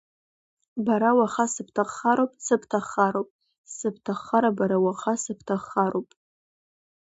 Бара уаха сыбҭаххароуп, сыбҭаххароуп, сыбҭаххароуп, бара уаха сыбҭаххароуп!